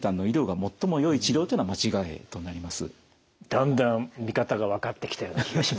だんだん見方が分かってきたような気がします。